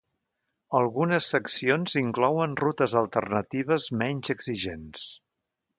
Algunes seccions inclouen rutes alternatives menys exigents.